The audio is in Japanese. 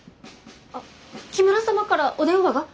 あっ木村様からお電話が。